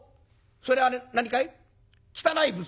それはね何かい汚い仏像？